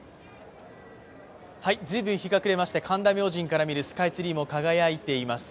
随分日が暮れまして、神田明神から見るスカイツリーも輝いています。